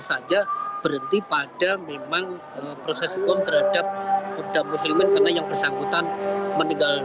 saja berhenti pada memang proses hukum terhadap kobda muslimin karena yang bersangkutan meninggal